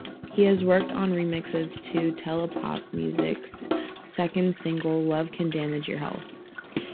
He has worked on remixes to Telepopmusik's second single "Love Can Damage Your Health".